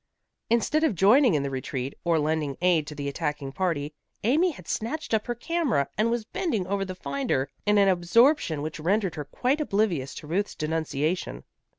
Instead of joining in the retreat, or lending aid to the attacking party, Amy had snatched up her camera, and was bending over the finder in an absorption which rendered her quite oblivious to Ruth's denunciation.